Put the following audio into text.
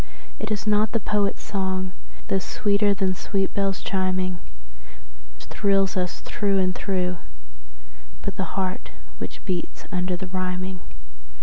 And it is not the poet's song, though sweeter than sweet bells chiming, Which thrills us through and through, but the heart which beats under the rhyming.